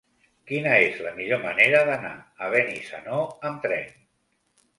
Quina és la millor manera d'anar a Benissanó amb tren?